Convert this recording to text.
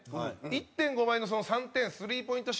１．５倍の３点スリーポイント